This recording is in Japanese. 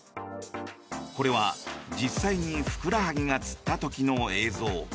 これは実際にふくらはぎがつった時の映像。